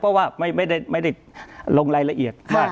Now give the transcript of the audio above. เพราะว่าไม่ได้ลงรายละเอียดว่า